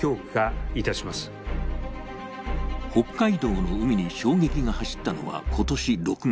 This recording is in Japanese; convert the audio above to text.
北海道の海に衝撃が走ったのは今年６月。